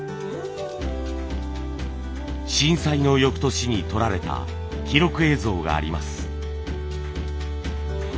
震災のよくとしに撮られた記録映像があります。